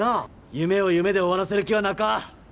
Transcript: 夢を夢で終わらせる気はなか。